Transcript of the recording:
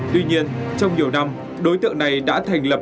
tuy nhiên trong nhiều năm đối tượng này đã thành lập